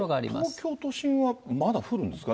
東京都心はまだ降るんですか？